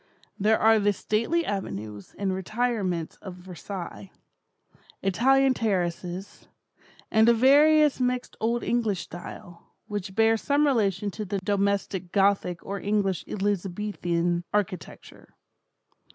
There are the stately avenues and retirements of Versailles; Italian terraces; and a various mixed old English style, which bears some relation to the domestic Gothic or English Elizabethan architecture.